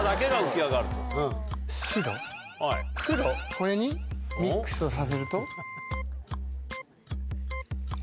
これにミックスをさせると。